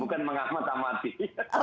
bukan mengakmat amati